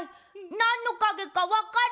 なんのかげかわかる？